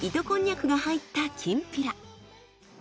こんにゃくが入ったきんぴら。